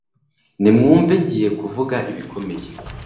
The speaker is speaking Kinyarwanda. nimwumve ngiye kuvuga ibikomeye